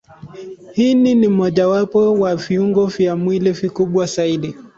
Ini ni mojawapo wa viungo vya mwili vikubwa zaidi.